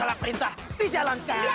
di jalan kan